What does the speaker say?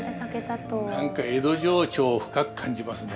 何か江戸情緒を深く感じますね。